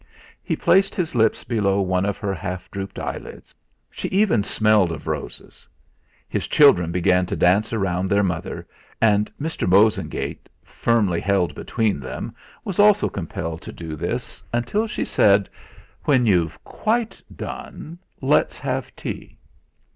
He placed his lips below one of her half drooped eyelids. She even smelled of roses. His children began to dance round their mother, and Mr. Bosengate, firmly held between them, was also compelled to do this, until she said: "When you've quite done, let's have tea!"